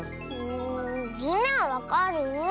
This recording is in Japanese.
みんなはわかる？